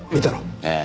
ええ。